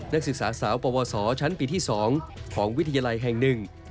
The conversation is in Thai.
นักศึกษาสาวปวสชั้นปีที่๒ของวิทยาลัยแห่งหนึ่ง